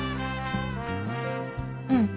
うん。